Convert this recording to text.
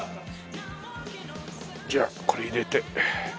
じゃあこれ入れて。